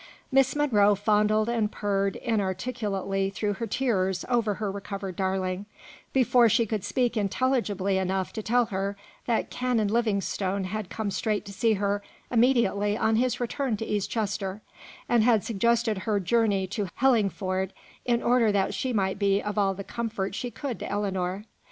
Miss Monro fondled and purred inarticulately through her tears over her recovered darling, before she could speak intelligibly enough to tell her that Canon Livingstone had come straight to see her immediately on his return to East Chester, and had suggested her journey to Hellingford, in order that she might be of all the comfort she could to Ellinor.